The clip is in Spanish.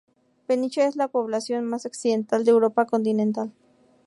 Peniche es la población más occidental de Europa Continental.